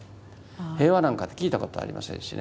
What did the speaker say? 平和なんか聞いたことありませんしね。